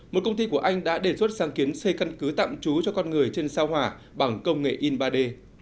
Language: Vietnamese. một công ty của anh đã đề xuất sáng kiến xây căn cứ tạm trú cho con người trên sao hòa bằng công nghệ in ba d